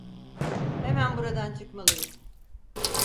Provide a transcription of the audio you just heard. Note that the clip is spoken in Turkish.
Hemen buradan çıkmalıyız.